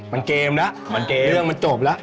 มันเกมแล้วเรื่องมันจบแล้ว